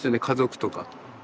家族とかと。